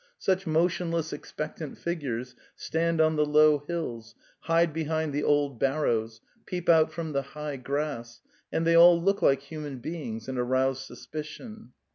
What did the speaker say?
Such motionless expectant figures stand on the low hills, hide behind the old barrows, peep out from the high grass, and they all look like human beings and arouse suspicion.